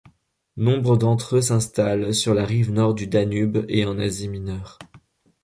Nombre d'entre eux s'installent sur la rive nord du Danube et en Asie mineure.